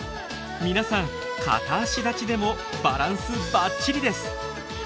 皆さん片足立ちでもバランスばっちりです。